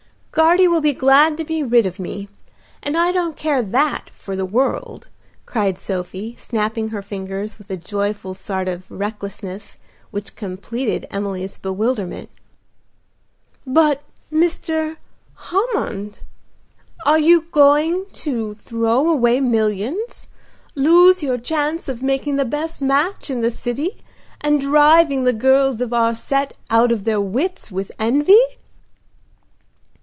"Guardy will be glad to be rid of me, and I don't care that for the world," cried Sophie, snapping her fingers with a joyful sort of recklessness which completed Emily's bewilderment. "But Mr. Hammond? Are you going to throw away millions, lose your chance of making the best match in the city, and driving the girls of our set out of their wits with envy?"